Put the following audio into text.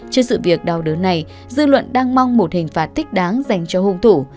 trên sự việc đau đớn này dư luận đang mong một hình phạt thích đáng dành cho hùng thủ